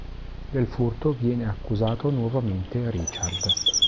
Del furto viene accusato nuovamente Richard.